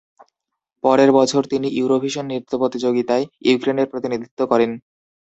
পরের বছর, তিনি ইউরোভিশন নৃত্য প্রতিযোগিতায় ইউক্রেনের প্রতিনিধিত্ব করেন।